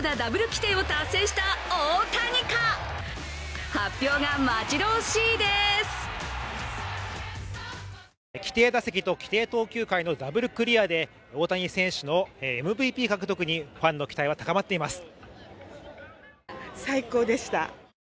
規定打席と規定投球回のダブルクリアで大谷選手のＭＶＰ獲得にファンの期待は高まっています。